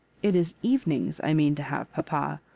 It is Evenings I mean to have, papa.